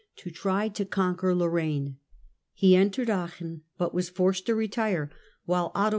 to try to conquer Lorraine. He entered Aachen, but was forced to retire, while Otto II.